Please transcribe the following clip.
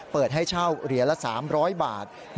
เปิดให้เช่าเหรียญละ๓๐๐บาท